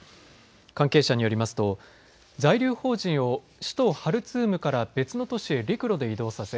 関係者によりますと在留邦人を首都ハルツームから別の都市へ陸路で移動させ